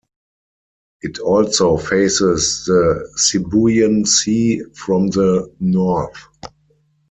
It also faces the Sibuyan Sea from the north.